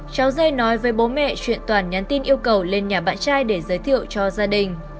cháu dây nói với bố mẹ chuyện toàn nhắn tin yêu cầu lên nhà bạn trai để giới thiệu cho gia đình